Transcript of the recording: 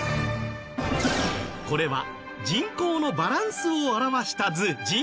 これは人口のバランスを表した図人口ピラミッド。